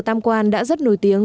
tam quan đã rất nổi tiếng